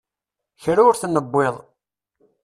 Kra ur t-newwiḍ.